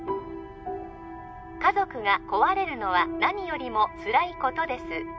家族が壊れるのは何よりもつらいことです